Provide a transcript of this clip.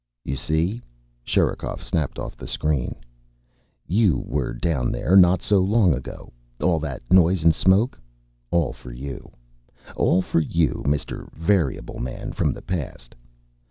"You see?" Sherikov snapped the screen off. "You were down there, not so long ago. All that noise and smoke all for you. All for you, Mr. Variable Man from the past.